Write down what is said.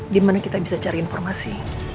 di mana kita bisa cari informasi